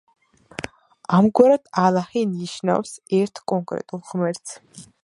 ამგვარად ალაჰი ნიშნავს ერთ კონკრეტულ ღმერთს.